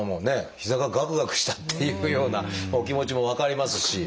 膝がガクガクしたっていうようなお気持ちも分かりますし。